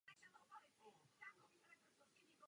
Část z nich vznikla konverzí z jiných typů plavidel.